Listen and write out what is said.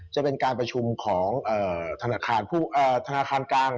จะเป็นการประชุมของธนาคารกลาง